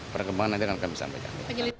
perkembangan nanti akan kami sampaikan